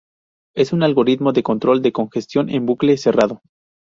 Es un algoritmo de control de congestión en bucle cerrado.